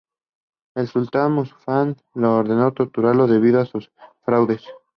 El Sultán Mustafa I ordenó torturarlo debido a sus fraudes.